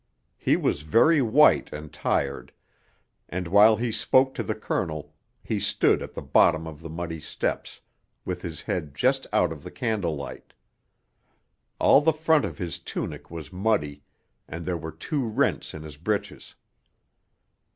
He was very white and tired, and while he spoke to the Colonel he stood at the bottom of the muddy steps with his head just out of the candlelight. All the front of his tunic was muddy, and there were two rents in his breeches.